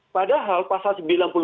padahal pasal sembilan puluh delapan